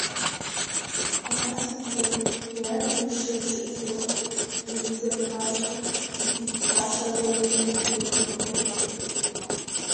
Абас ицоит абри адгьыл шеишықәсала, еиқәзырхаша, изыхьчаша ауаҩы даныҟамлалакь…